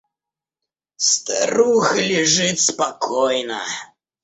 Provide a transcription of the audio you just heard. Старуха лежит спокойно.